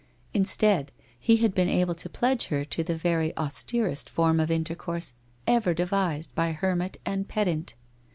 Instead, he had been able to pledge her to the very austerest form of intercourse ever devised by hermit and pedant.